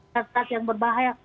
kertas yang berbahaya